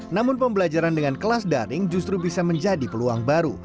namun pembelajaran dengan kelas daring justru bisa menjadi peluang baru